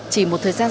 chỉ một thời gian